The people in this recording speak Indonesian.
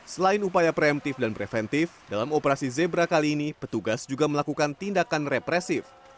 selain upaya preemptif dan preventif dalam operasi zebra kali ini petugas juga melakukan tindakan represif